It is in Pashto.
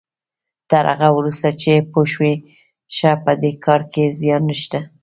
تر هغه وروسته چې پوه شو په دې کار کې زيان نشته.